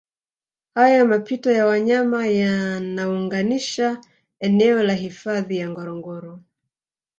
Haya mapito ya wanyama yanaunganisha eneo la hifadhi ya Ngorongoro